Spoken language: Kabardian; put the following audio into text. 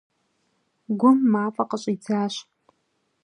Гум мафӏэ къыщӏидзащ.